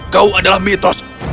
kau adalah mitos